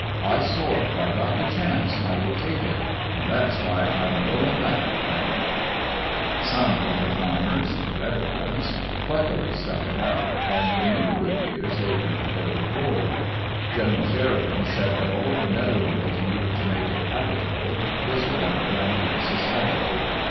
I swore if I got the chance I would take it, and that 's why I am goin' back again." ShendarCs Some of the farmers, the better ones, pluck ily stuck it out, and in many good years they reaped their reward. Greneral Sheridan said that all the nether world needed to make it habitable was water and good society.